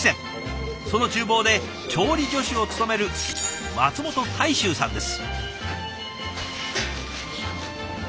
その厨房で調理助手を務める松本大周さんです。